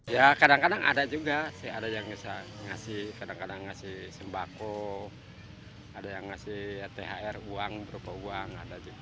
ya kadang kadang ada juga sih ada yang bisa ngasih kadang kadang ngasih sembako ada yang ngasih thr uang berupa uang